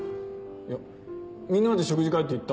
いやみんなで食事会って言ったろう。